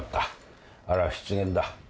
あれは失言だ。